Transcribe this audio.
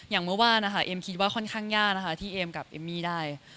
อย่างเมื่อวานนะคะเอมคิดว่าค่อนข้างยากนะคะที่เอมกับเอมมี่ได้